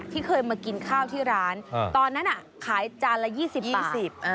ที่เคยมากินข้าวที่ร้านตอนนั้นขายจานละ๒๐บาท